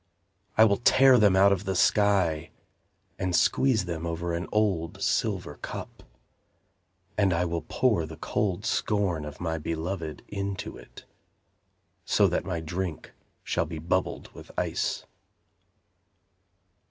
I will tear them out of the sky, And squeeze them over an old silver cup, And I will pour the cold scorn of my Beloved into it, So that my drink shall be bubbled with ice.